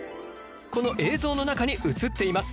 この映像の中に映っています！